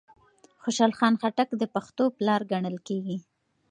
خوشحال خان خټک د پښتو پلار ګڼل کېږي